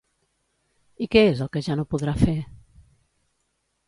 I què és el que ja no podrà fer?